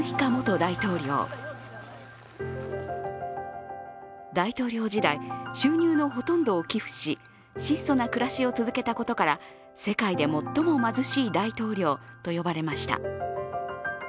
大統領時代収入のほとんどを寄付し質素な暮らしを続けたことから世界で最も貧しい大統領と呼ばれました。